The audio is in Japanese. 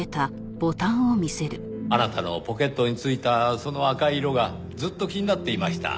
あなたのポケットに付いたその赤い色がずっと気になっていました。